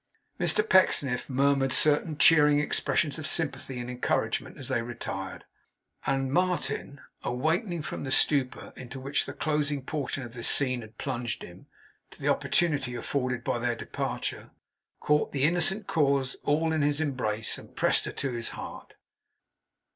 Mr Pecksniff murmured certain cheering expressions of sympathy and encouragement as they retired; and Martin, awakening from the stupor into which the closing portion of this scene had plunged him, to the opportunity afforded by their departure, caught the innocent cause of all in his embrace, and pressed her to his heart.